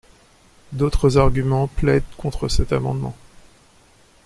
D’autres arguments plaident contre cet amendement.